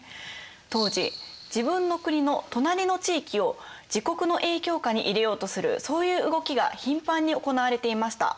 当時自分の国の隣の地域を自国の影響下に入れようとするそういう動きが頻繁に行われていました。